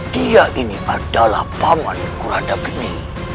dia ini adalah paman kurandagini